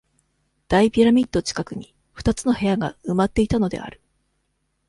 大ピラミッド近くに、二つの部屋が、埋まっていたのである。